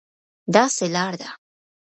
داسې لار ده،